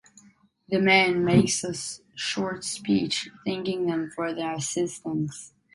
The man makes a short speech thanking them for their assistance.